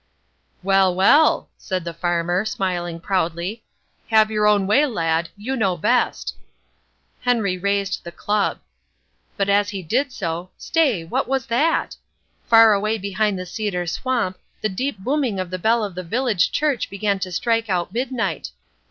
"Well, well," said the farmer, smiling proudly, "have your own way, lad, you know best." Henry raised the club. But as he did so—stay, what was that? Far away behind the cedar swamp the deep booming of the bell of the village church began to strike out midnight.